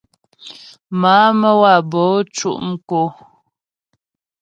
Má'a Məwabo cʉ' mkǒ.